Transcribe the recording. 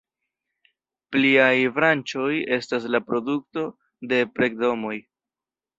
Pliaj branĉoj estas la produkto de pret-domoj.